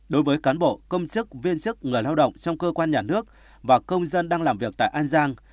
đối với cán bộ công chức viên chức người lao động trong cơ quan nhà nước và công dân đang làm việc tại an giang